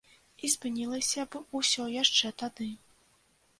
І спынілася б усё яшчэ тады.